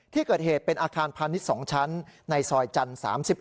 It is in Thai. ที่เกิดเหตุเป็นอาคารพาณิชย์๒ชั้นในซอยจันทร์๓๑